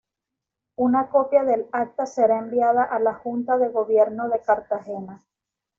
Una copia del Acta será enviada a la Junta de Gobierno de Cartagena.